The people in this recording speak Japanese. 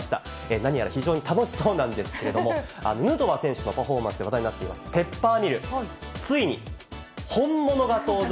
何やら非常に楽しそうなんですけれども、ヌートバー選手のパフォーマンスで話題になっています、ペッパーミル、ついに本物が登場